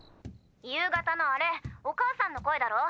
☎夕方のあれお母さんの声だろ？